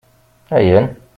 Ayen?